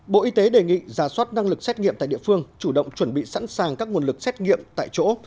bộ y tế đề nghị giả soát năng lực xét nghiệm tại địa phương chủ động chuẩn bị sẵn sàng các nguồn lực xét nghiệm tại chỗ